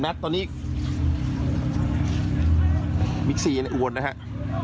โอ้โหยังไม่หยุดนะครับ